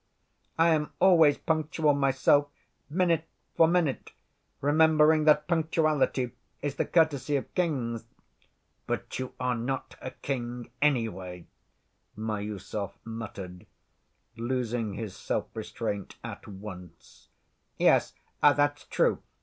"I am always punctual myself, minute for minute, remembering that punctuality is the courtesy of kings...." "But you are not a king, anyway," Miüsov muttered, losing his self‐ restraint at once. "Yes; that's true.